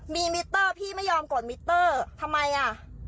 มีมิเตอร์พี่ไม่ยอมกดมิเตอร์ทำไมอ่ะ